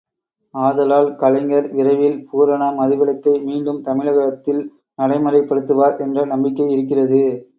ஆதலால் கலைஞர் விரைவில் பூரண மதுவிலக்கை மீண்டும் தமிழகத்தில் நடைமுறைப்படுத்துவார் என்ற நம்பிக்கை இருக்கிறது.